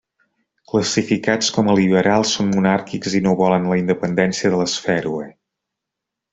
Classificats com a liberals, són monàrquics i no volen la independència de les Fèroe.